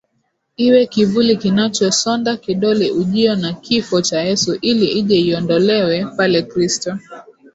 iwe kivuli kinachosonda kidole Ujio na kifo cha Yesu ili ije iondolewe pale Kristo